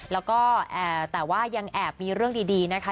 แล้วก็แต่ว่ายังแอบมีเรื่องดีนะคะ